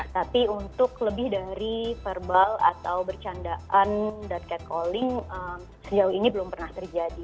tapi untuk lebih dari verbal atau bercandaan dan cat calling sejauh ini belum pernah terjadi